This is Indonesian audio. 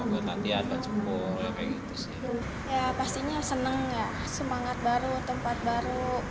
buat latihan nggak cukup kayak gitu sih